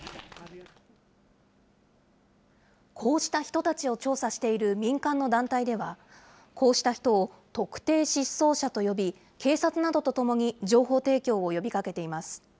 こうした人たちを調査している民間の団体では、こうした人を特定失踪者と呼び、警察などとともに情報提供を呼びかけています。